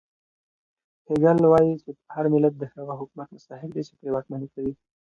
هګل وایي چې هر ملت د هغه حکومت مستحق دی چې پرې واکمني کوي.